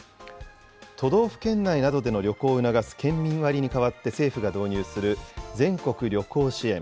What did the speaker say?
都道府県内などでの旅行を促す県民割に代わって、政府が導入する全国旅行支援。